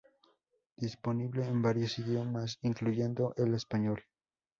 Disponible en varios idiomas, incluyendo el español.